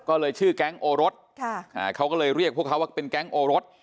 ก็เลยชื่อแก๊งโอรสเขาก็เลยเรียกพวกเขาว่าเป็นแก๊งโอรส